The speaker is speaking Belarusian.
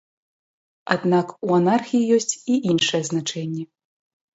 Аднак у анархіі ёсць і іншае значэнне.